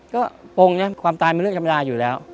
ก็ปงนะความตายมันเรื่องธรรมดาอยู่แล้ว